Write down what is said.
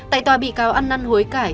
tại tòa bị cáo ăn năn hối cải